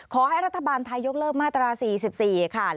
ขอให้รัฐบาลไทยยกเลิกมาตรา๔๔ค่ะ